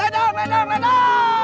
ledang ledang ledang